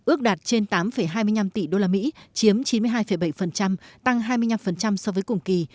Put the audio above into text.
ước đạt trên tám hai mươi năm tỷ usd chiếm chín mươi hai bảy tăng hai mươi năm so với cùng kỳ